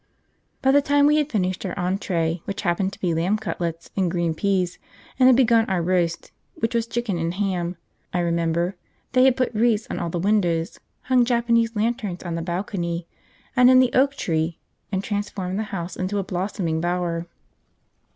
By the time we had finished our entree, which happened to be lamb cutlets and green peas, and had begun our roast, which was chicken and ham, I remember, they had put wreaths at all the windows, hung Japanese lanterns on the balcony and in the oak tree, and transformed the house into a blossoming bower.